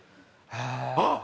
あっ！